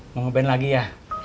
mau nge band lagi ya